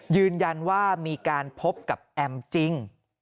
ยืนยันว่ามีการพบกับแอมจริง